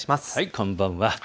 こんばんは。